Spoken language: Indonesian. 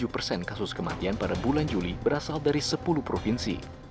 tujuh persen kasus kematian pada bulan juli berasal dari sepuluh provinsi